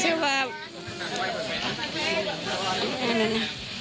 เชื่ออยู่ครับ